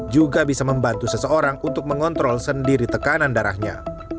juga bisa membantu seseorang untuk mengontrol sendiri tekanan darahnya